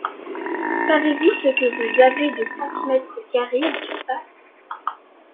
savez-vous ce que vous avez de centimètres carrés en surface ?